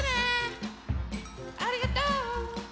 ありがとう！